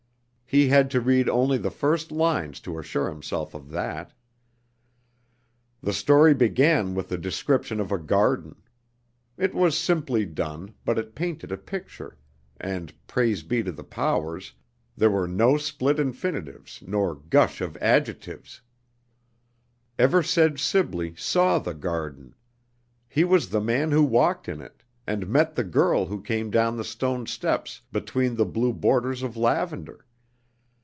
He had to read only the first lines to assure himself of that. The story began with the description of a garden. It was simply done, but it painted a picture, and praise be to the powers, there were no split infinitives nor gush of adjectives! Eversedge Sibley saw the garden. He was the man who walked in it, and met the girl who came down the stone steps between the blue borders of lavender.